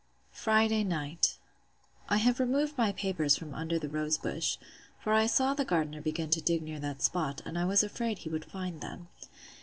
Friday night. I have removed my papers from under the rose bush; for I saw the gardener begin to dig near that spot; and I was afraid he would find them.